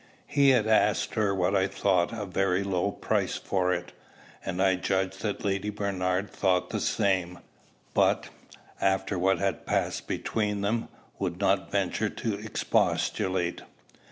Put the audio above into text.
He had asked her what I thought a very low price for it; and I judge that Lady Bernard thought the same, but, after what had passed between them, would not venture to expostulate.